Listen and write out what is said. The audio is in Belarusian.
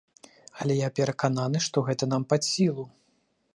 Але я перакананы, што гэта нам пад сілу.